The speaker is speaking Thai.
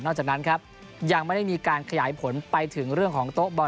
จากนั้นครับยังไม่ได้มีการขยายผลไปถึงเรื่องของโต๊ะบอล